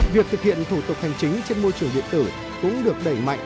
việc thực hiện thủ tục hành chính trên môi trường điện tử cũng được đẩy mạnh